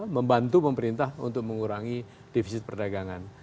membantu pemerintah untuk mengurangi defisit perdagangan